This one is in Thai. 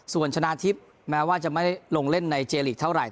ส่วนชนะทิพย์แม้ว่าจะไม่ได้ลงเล่นในเจลีกเท่าไหร